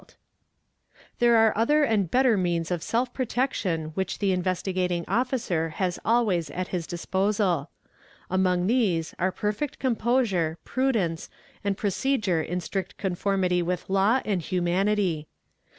The officer will not 114 EXAMINATION OF ACCUSED © There are other and better means of self protection which the In — vestigating Officer has always at his disposal; among these are perfect composure, prudence, and procedure in strict conformity with law and humanity.